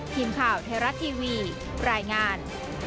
ทีมข่าวไทยรัฐทีวีรายงาน